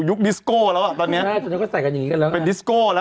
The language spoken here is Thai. นี่รอลำเลยพี่รอ